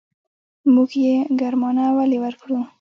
موږ يې ګرمانه ولې ورکړو.